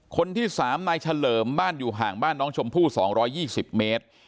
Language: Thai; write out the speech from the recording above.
คนที่๓นายเฉลิมบ้านอยู่ห่างบ้านน้องชมพู่๒๒๐เมตร